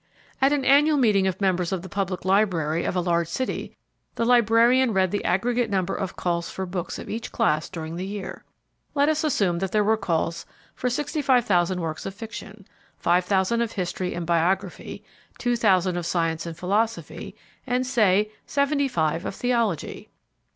At an annual meeting of members of the public library of a large city, the librarian read the aggregate number of calls for books of each class during the year. Let us assume that there were calls for 65,000 works of fiction, 5,000 of history and biography, 2,000 of science and philosophy, and, say, 75 of theology.